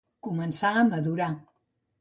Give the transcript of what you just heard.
Començar a madurar.